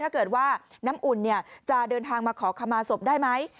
ถ้าเกิดว่าน้ำอุ่นจะเดินทางมาขอขมาศพได้ไหม